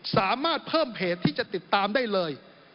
สามารถเพิ่มเพจที่จะติดตามได้เลย